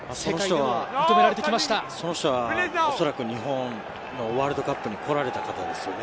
その人は、おそらく日本のワールドカップに来られた方ですよね。